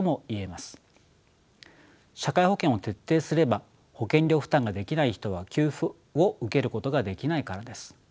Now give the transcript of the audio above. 社会保険を徹底すれば保険料負担ができない人は給付を受けることができないからです。